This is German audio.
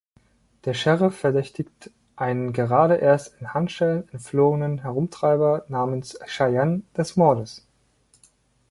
Der Sheriff verdächtigt einen gerade erst in Handschellen entflohenen Herumtreiber namens Cheyenne des Mordes.